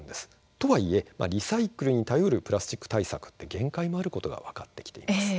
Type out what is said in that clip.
とはいえリサイクルに頼るプラスチック対策は限界があることが分かってきています。